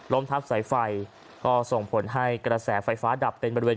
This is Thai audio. ล้มทัพสายไฟส่งผลให้กระแสไฟฝาดับเป็นบริเวณกว้าง